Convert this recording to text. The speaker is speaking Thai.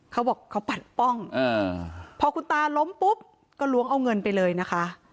เขาบอกเขาปัดป้องพอคุณตาล้มปุ๊บก็ล้วงเอาเงินไปเลยนะคะ